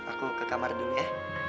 aku ke kamar dulu ya